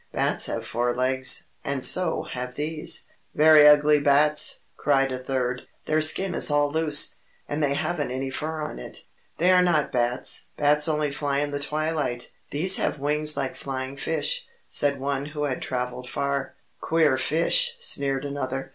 "Bats have four legs, and so have these!" "Very ugly bats!" cried a third; "their skin is all loose, and they haven't any fur on it." "They are not bats. Bats only fly in the twilight! These have wings like flying fish," said one who had travelled far. "Queer fish!" sneered another.